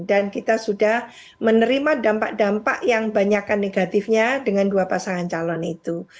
dan kita sudah menerima dampak dampak yang banyak negatifnya dengan dua pasangan calon itu